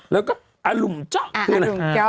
แล้วก็อารุมเจาะ